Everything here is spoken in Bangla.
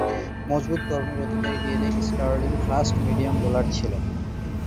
মজবুত গড়নের অধিকারী ডেরেক স্টার্লিং ফাস্ট-মিডিয়াম বোলার ছিলেন।